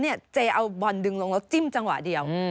เจเอาบอลดึงลงแล้วจิ้มจังหวะเดียว